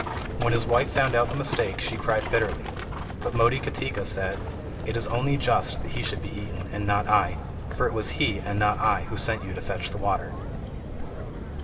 When his wife found out the mistake, she cried bitterly; but Motikatika said: "It is only just that he should be eaten, and not I; for it was he, and not I, who sent you to fetch the water."